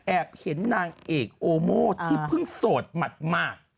เห็นนางเอกโอโม่ที่เพิ่งโสดหมาด